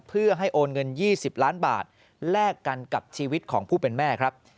เพื่อให้โอนเงิน๒๐ล้านบาทแลกกันกับชีวิตของผู้เป็นแม่ครับ